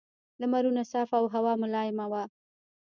لمرونه صاف او هوا ملایمه وه.